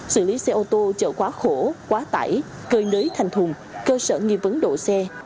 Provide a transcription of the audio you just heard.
xử lý xe ô tô chở quá khổ quá tải cơi nới thành thùng cơ sở nghi vấn đổ xe